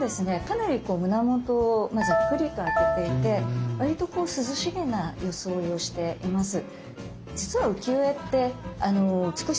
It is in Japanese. かなり胸元をざっくりと開けていてわりと涼しげな装いをしています。